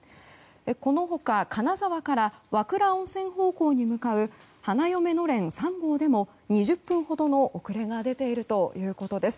この他金沢から和倉温泉方向に向かう「花嫁のれん３号」でも２０分ほどの遅れが出ているということです。